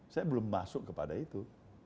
saya belum masuk kepada itu